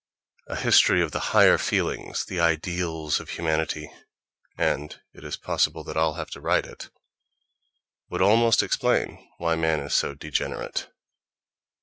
A history of the "higher feelings," the "ideals of humanity"—and it is possible that I'll have to write it—would almost explain why man is so degenerate.